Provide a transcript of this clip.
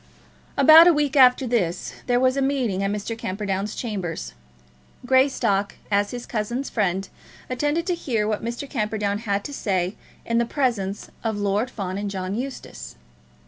About a week after this there was a meeting at Mr. Camperdown's chambers. Greystock, as his cousin's friend, attended to hear what Mr. Camperdown had to say in the presence of Lord Fawn and John Eustace.